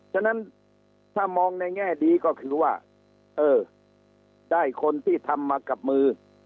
ฉะนั้นถ้ามองในแง่ดีก็คือว่าเออได้คนที่ทำมากับมือ